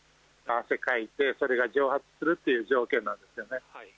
汗をかいて、それが蒸発するという条件なんですよね。